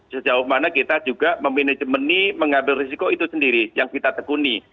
sejauh mana kita juga memanajemeni mengambil risiko itu sendiri yang kita tekuni